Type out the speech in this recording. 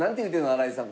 新井さん